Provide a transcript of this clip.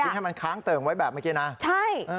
วิ่งให้มันค้างเติมไว้แบบเมื่อกี้นะ